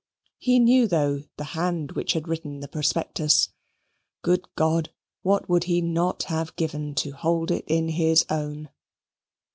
He knew, though, the hand which had written the prospectus. Good God! what would he not have given to hold it in his own!